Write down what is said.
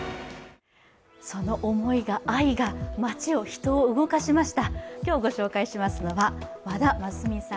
その思いが、愛が、町を、人を動かしました。